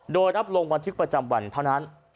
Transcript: โดยรับลงบันทึกประจำวันเท่านั้น